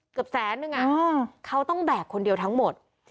เกือบแสนนึงเขาต้องแบกคนเดียวทั้งหมด